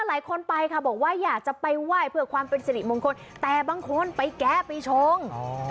หลายคนไปค่ะบอกว่าอยากจะไปไหว้เพื่อความเป็นสิริมงคลแต่บางคนไปแกะไปชง